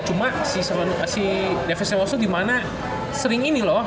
cuma si saffron si david samuels itu dimana sering ini loh